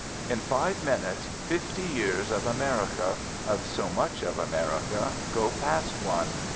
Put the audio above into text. In five minutes fifty years of America, of so much of America, go past one.